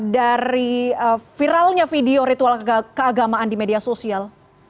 dari viralnya video ritual keagamaan di media sosial